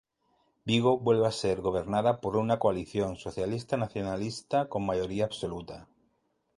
Vigo vuelve a ser gobernada por una coalición socialista-nacionalista con mayoría absoluta.